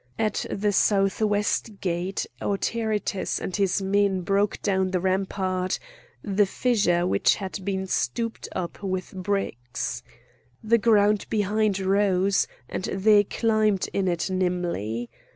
At the south west gate Autaritus and his men broke down the rampart, the fissure in which had been stopped up with bricks. The ground behind rose, and they climbed it nimbly.